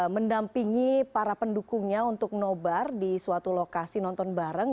mendampingi para pendukungnya untuk nobar di suatu lokasi nonton bareng